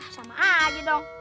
sama aja dong